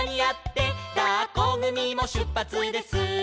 「だっこぐみもしゅっぱつです」